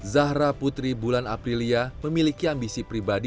zahra putri bulan aprilia memiliki ambisi pribadi